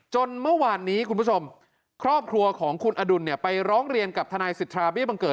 จนเมื่อวานนี้คุณผู้ชมครอบครัวของคุณอดุลเนี่ยไปร้องเรียนกับทนายสิทธาเบี้บังเกิด